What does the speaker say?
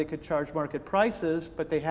model bisnis baru